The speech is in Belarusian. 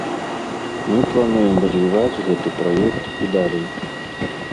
Мы плануем развіваць гэты праект і далей.